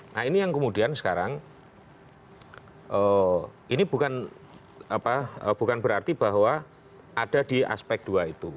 nah ini yang kemudian sekarang ini bukan berarti bahwa ada di aspek dua itu